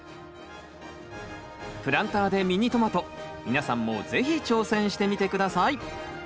プランターでミニトマト皆さんも是非挑戦してみて下さい。